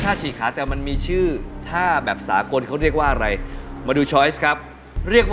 ขอฉี่คลาพุกพบว่าสแคร๊บเลย